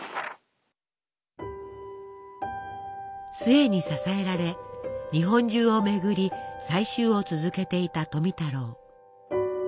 壽衛に支えられ日本中を巡り採集を続けていた富太郎。